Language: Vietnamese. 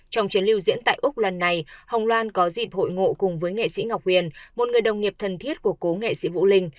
trong chuyến lưu diễn tại úc lần này hồng loan có dịp hội ngộ cùng với nghệ sĩ ngọc huyền một người đồng nghiệp thần thiết của cố nghệ sĩ vũ linh